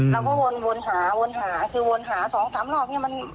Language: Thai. แล้วก็วนหาคือวนหา๒๓รอบนี่มัน